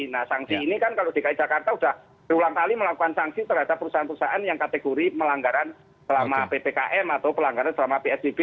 nah sanksi ini kan kalau dki jakarta sudah berulang kali melakukan sanksi terhadap perusahaan perusahaan yang kategori melanggaran selama ppkm atau pelanggaran selama psbb